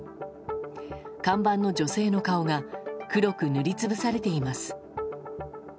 看板の女性の顔が黒く塗りつぶされています。